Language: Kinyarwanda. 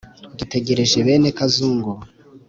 dutegereje bene kazungu.